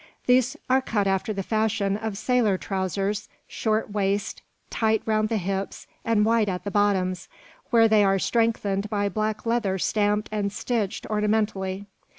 These are cut after the fashion of sailor trousers, short waist, tight round the hips, and wide at the bottoms, where they are strengthened by black leather stamped and stitched ornamentally.